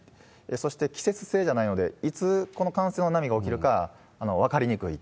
そして、季節性じゃないので、いつこの感染の波が起きるかは分かりにくい。